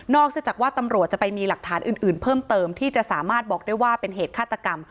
จากว่าตำรวจจะไปมีหลักฐานอื่นเพิ่มเติมที่จะสามารถบอกได้ว่าเป็นเหตุฆาตกรรม